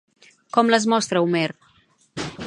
Com les mostra Homer?